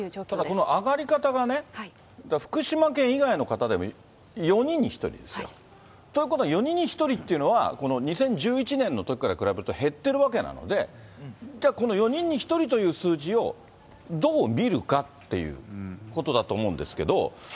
ただ、この上がり方がね、福島県以外の方でも４人に１人ですよ。ということは、４人に１人っていうのは、この２０１１年のときから比べると減ってるわけなので、じゃあ、この４人に１人という数字をどう見るかっていうことだと思うんですけど。